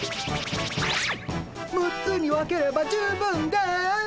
６つに分ければ十分です。